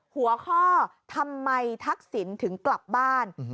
หัวข้อทำไมทักษิณถึงกลับบ้าน